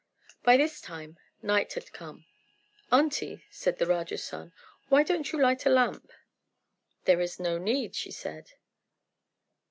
By this time night had come. "Aunty," said the Raja's son, "why don't you light a lamp?" "There is no need," she said.